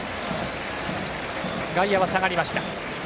外野は下がりました。